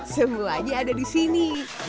semuanya ada di sini